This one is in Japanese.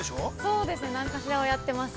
◆そうです、何かしらをやってますね。